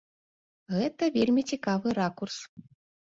Гэта вельмі цікавы ракурс.